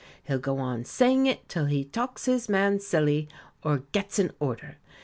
He'll go on saying it till he talks his man silly, or gets an order.